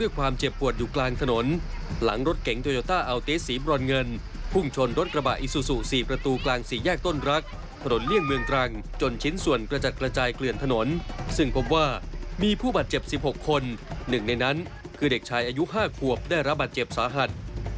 ๕ขวบได้รับบาดเจ็บสาหัส